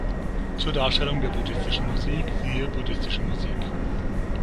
Zur Darstellung der buddhistischen Musik, siehe buddhistische Musik.